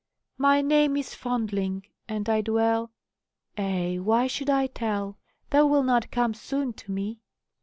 "My name is Fondling, and I dwell Ei, why should I tell? Thou wilt not come soon to me."